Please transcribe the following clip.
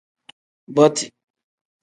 Boti.